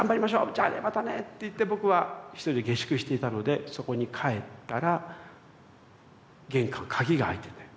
じゃあねまたね！」って言って僕は一人で下宿していたのでそこに帰ったら玄関鍵が開いてて。